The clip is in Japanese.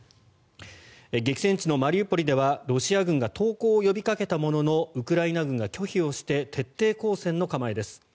激戦地のマリウポリではロシア軍が投降を呼びかけたもののウクライナ軍が拒否をして徹底抗戦の構えです。